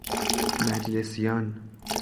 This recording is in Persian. مجلسیان